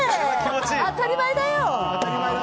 当たり前だよ！